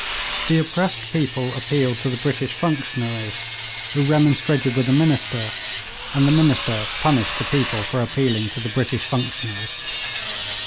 The oppressed people appealed to the British functionaries, who remonstrated with the minister, and the minister punished the people for appealing to the British functionaries.